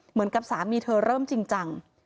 เหมือนกับสามีเธอเริ่มจริงจัง